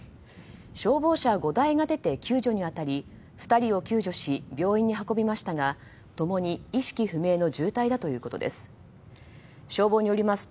消防車５台が出て救助に当たり２人を救助し病院に運びましたが共に意識不明の重体だということです。